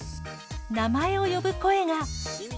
名前を呼ぶ声が。